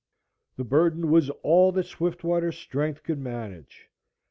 ] The burden was all that Swiftwater's strength could manage.